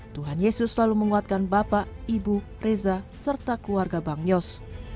tuhan yesus selalu menguatkan bapak ibu reza serta keluarga bang yos